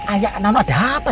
ayak nama ada apa